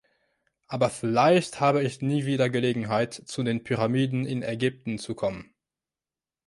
Aber vielleicht habe ich nie wieder Gelegenheit, zu den Pyramiden in Ägypten zu kommen.